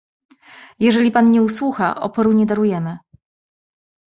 "Jeżeli pan nie usłucha, oporu nie darujemy."